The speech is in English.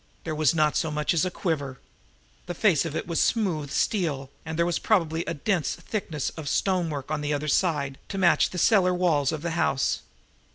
There was not so much as a quiver. The face of it was smooth steel, and there was probably a dense thickness of stonework on the other side, to match the cellar walls of the house.